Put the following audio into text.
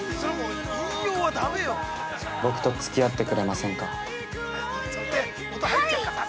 僕とつき合ってくれませんか。